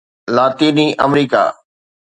لاطيني آمريڪا